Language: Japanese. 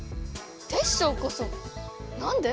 テッショウこそなんで？